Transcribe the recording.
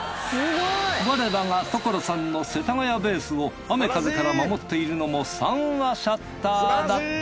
我らが所さんの世田谷ベースを雨風から守っているのも三和シャッターだった。